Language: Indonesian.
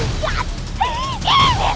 ini sangat menyenangkan